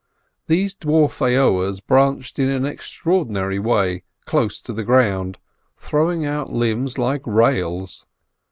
These dwarf aoas branch in an extraordinary way close to the ground, throwing out limbs like rails.